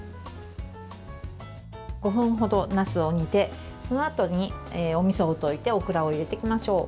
５分程なすを煮てそのあとにおみそを溶いてオクラを入れていきましょう。